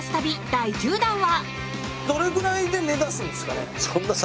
第１０弾は。